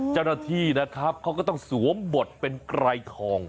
เจ้าหน้าที่นะครับเขาก็ต้องสวมบทเป็นไกรทอง